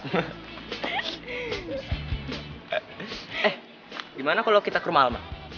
eh gimana kalau kita ke rumah alma